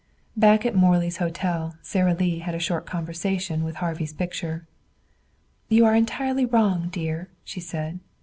Back at Morley's Hotel Sara Lee had a short conversation with Harvey's picture. "You are entirely wrong, dear," she said.